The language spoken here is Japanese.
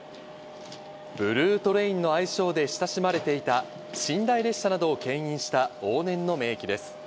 ブルートレインの愛称で親しまれていた、寝台列車などをけん引した往年の名機です。